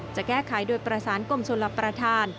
จะแก้ไขโดยประสานกรมชนรับประทาน